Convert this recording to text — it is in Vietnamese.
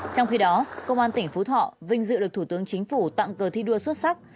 trong khi đó công an tỉnh phú thọ vinh dự được thủ tướng chính phủ tặng cờ thi đua xuất sắc